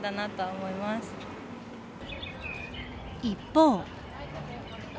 一方。